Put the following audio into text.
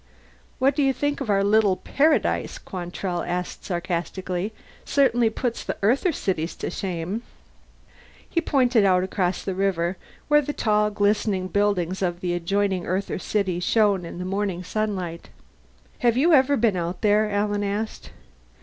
"What do you think of our little paradise?" Quantrell asked sarcastically. "Certainly puts the Earther cities to shame." He pointed out across the river, where the tall, glistening buildings of the adjoining Earther city shone in the morning sunlight. "Have you ever been out there?" Alan asked.